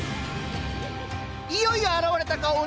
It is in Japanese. いよいよ現れたか鬼。